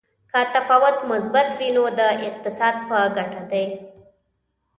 که تفاوت مثبت وي نو د اقتصاد په ګټه دی.